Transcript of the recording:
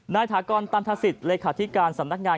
ถากรตันทศิษย์เลขาธิการสำนักงาน